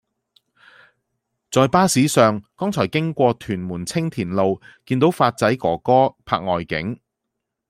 在巴士上剛才經過屯門青田路見到發仔哥哥拍外景